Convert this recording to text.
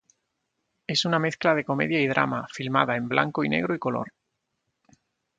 Es una mezcla de comedia y drama, filmada en blanco y negro y color.